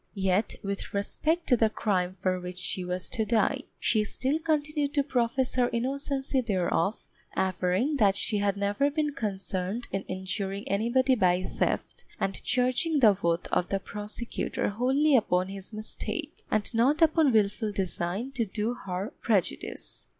Yet with respect to the crime for which she was to die, she still continued to profess her innocency thereof, averring that she had never been concerned in injuring anybody by theft, and charging the oath of the prosecutor wholly upon his mistake, and not upon wilful design to do her prejudice.